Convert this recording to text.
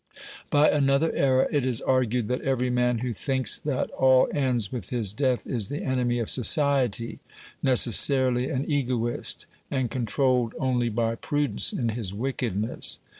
By another error it is argued that every man who thinks that all ends with his death is the enemy of society, neces sarily an egoist, and controlled only by prudence in his wickedness.